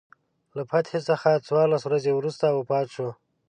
له فتحې څخه څوارلس ورځې وروسته وفات شو.